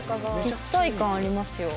立体感ありますよ。